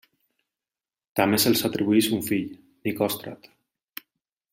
També se'ls atribueix un fill, Nicòstrat.